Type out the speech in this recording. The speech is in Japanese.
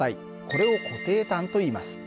これを固定端といいます。